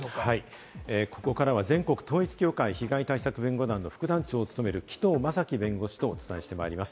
ここからは全国統一教会被害対策弁護団・副団長を務める紀藤正樹弁護士とお伝えしてまいります。